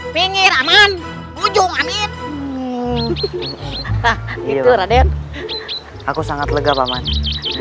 apakah dia atau apakah dia dalam kebelakanganuseum akut hari ini